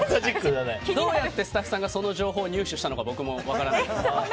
どうやってスタッフさんがその情報を入手したのか僕も分からないです。